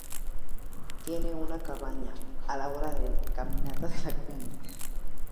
Tienen una cabaña a una hora de caminata a la cumbre.